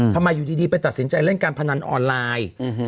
อยู่ดีไปตัดสินใจเล่นการพนันออนไลน์